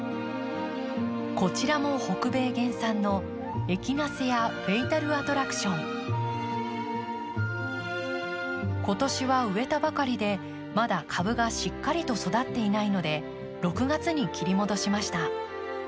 こちらも北米原産の今年は植えたばかりでまだ株がしっかりと育っていないので６月に切り戻しました。